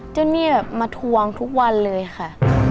หนี้แบบมาทวงทุกวันเลยค่ะ